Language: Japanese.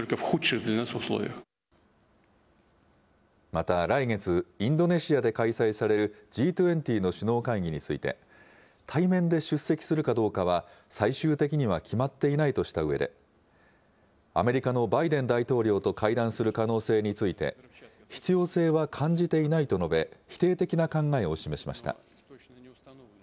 また、来月、インドネシアで開催されるＧ２０の首脳会議について、対面で出席するかどうかは、最終的には決まっていないとしたうえで、アメリカのバイデン大統領と会談する可能性について、必要性は感じていないと述べ、否定的な考えを示しました。